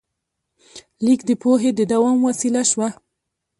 لیک د پوهې د دوام وسیله شوه.